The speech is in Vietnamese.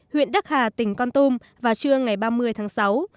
huyện đắc hà tỉnh con tum vào trưa ngày ba mươi tháng sáu